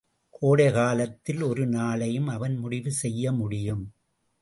கோடைகாலத்தின் ஒரு நாளையும் அவன் முடிவு செய்ய முடியும்.